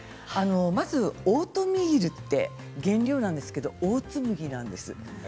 まずオートミールって原料なんですけどオーツ麦なんです。